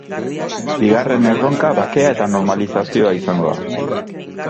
Bigarren erronka bakea eta normalizazioa izango da.